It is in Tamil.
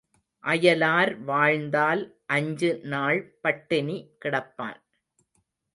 அயலார் வாழ்ந்தால் அஞ்சு நாள் பட்டினி கிடப்பான்.